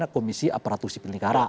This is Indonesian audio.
komisi aparatu sipil negara